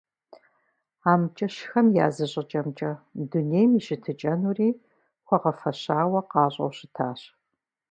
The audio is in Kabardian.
АмкӀыщхэм я зыщӀыкӀэмкӀэ, дунейм и щытыкӀэнури хуэгъэфэщауэ къащӀэу щытащ.